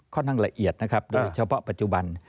นั่งละเอียดนะครับโดยเฉพาะปัจจุบัน